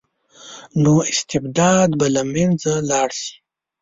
نو استبداد به له منځه لاړ شي.